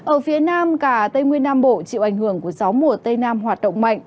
ở phía nam cả tây nguyên nam bộ chịu ảnh hưởng của gió mùa tây nam hoạt động mạnh